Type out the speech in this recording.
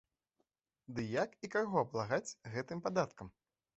Дый як і каго абкладаць гэтым падаткам?